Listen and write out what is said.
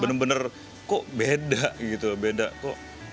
benar benar kok beda gitu beda kok